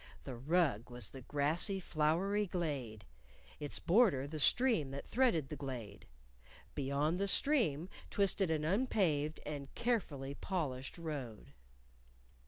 The rug was the grassy, flowery glade; its border, the stream that threaded the glade. Beyond the stream twisted an unpaved and carefully polished road.